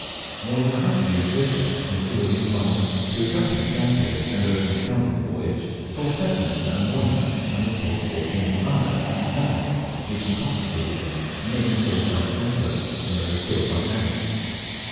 More than a hundred years later Mr. William Funnel, who accompanied Dampier, and wrote an account of the voyage, saw specimens at Amboyna, and was told that they came to Banda to eat nutmegs, which intoxicated them and made them fall down senseless, when they were killed by ants.